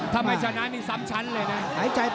ทำให้ชนะนี้ซ้ำชั้นเลยนะ